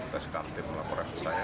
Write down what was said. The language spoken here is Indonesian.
kasih tantip melaporkan ke saya